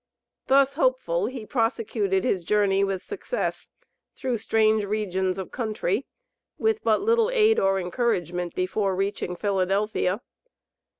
Thus hopeful, he prosecuted his journey with success through strange regions of country, with but little aid or encouragement before reaching Philadelphia.